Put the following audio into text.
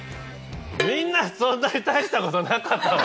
みんなそんなに大したことなかったわ！